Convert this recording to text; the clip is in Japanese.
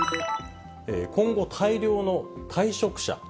今後大量の退職者。